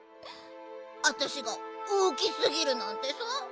あたしがおおきすぎるなんてさ。